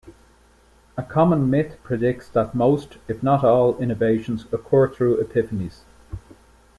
A common myth predicts that most, if not all, innovations occur through epiphanies.